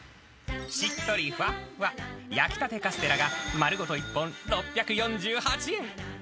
しっとりふわっふわ、焼きたてカステラが丸ごと１本６４８円。